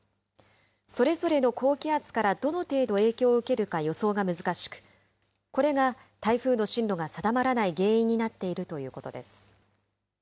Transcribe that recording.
それぞれの高気圧からどの程度影響を受けるか予想が難しく、これが台風の進路が定まらない原因になっているということです。